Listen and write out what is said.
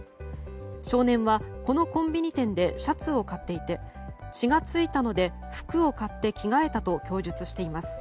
少年は、このコンビニ店でシャツを買っていて血が付いたので服を買って着替えたと供述しています。